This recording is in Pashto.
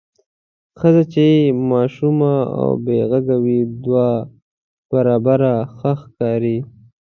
ښځه چې خاموشه او بې غږه وي دوه برابره ښه ښکاري.